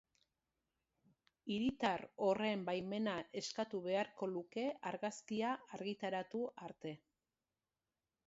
Hiritar horren baimena eskatu beharko luke argazkia argitaratu arte.